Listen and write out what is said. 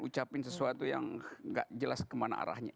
ucapin sesuatu yang gak jelas kemana arahnya